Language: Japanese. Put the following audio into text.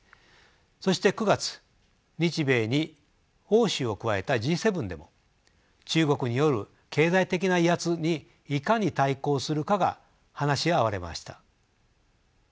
そして９月日米に欧州を加えたＧ７でも中国による経済的な威圧にいかに対抗するかが話し合われました。